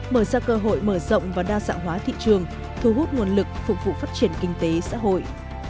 mở ra cơ hội mở rộng và đa dạng hóa thị trường thu hút nguồn lực phục vụ phát triển kinh tế xã hội